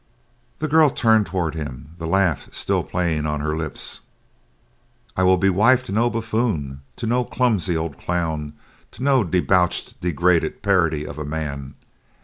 The girl turned toward him, the laugh still playing on her lips. "I will be wife to no buffoon; to no clumsy old clown; to no debauched, degraded parody of a man.